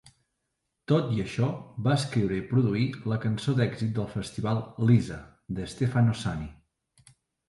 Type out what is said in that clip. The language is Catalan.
Tot i això, va escriure i produir la cançó d'èxit del festival "Lisa" de Stefano Sani.